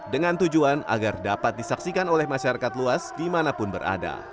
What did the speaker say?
dengan tujuan agar dapat disaksikan oleh masyarakat luas dimanapun berada